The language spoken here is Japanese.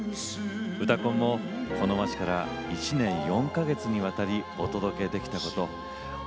「うたコン」もこの街から１年４か月にわたりお届けできたこと本当にうれしく思います。